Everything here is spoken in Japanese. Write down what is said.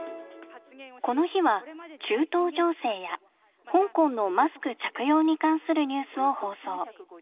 この日は中東情勢や香港のマスク着用に関するニュースを放送。